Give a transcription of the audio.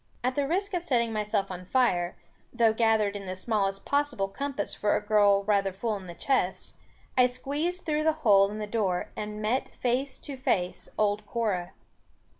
At the risk of setting myself on fire, though gathered in the smallest possible compass for a girl rather full in the chest, I squeezed through the hole in the door, and met face to face old Cora.